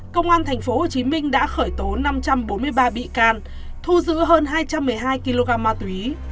công an tp hcm đã khởi tố năm trăm bốn mươi ba bị can thu giữ hơn hai trăm một mươi hai kg ma túy